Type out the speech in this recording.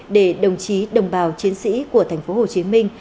để đồng chí đồng bào chiến sĩ của thành phố hồ chí minh